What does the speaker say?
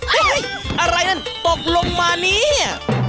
เฮ้ยอะไรนั่นตกลงมานี้